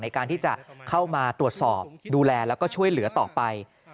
ในการที่จะเข้ามาตรวจสอบดูแลแล้วก็ช่วยเหลือต่อไป